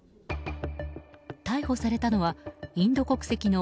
逮捕されたのは、インド国籍の